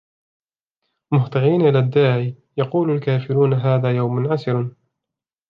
مُّهْطِعِينَ إِلَى الدَّاعِ يَقُولُ الْكَافِرُونَ هَذَا يَوْمٌ عَسِرٌ